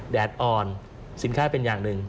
แดดอ่อนสินค้าเป็นอย่างหนึ่ง